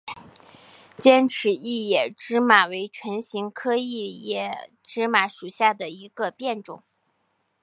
尖齿异野芝麻为唇形科异野芝麻属下的一个变种。